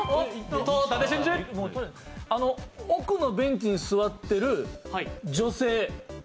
奥のベンチに座ってる女性。